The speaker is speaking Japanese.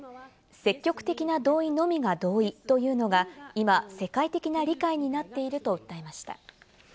積極的な同意のみが同意というのが今、世界的な理解になっていると訴えました。